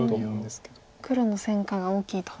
黒の戦果が大きいと。